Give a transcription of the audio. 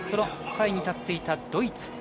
３位に立っていたドイツ。